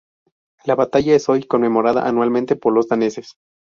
La batalla es hoy conmemorada anualmente por los daneses.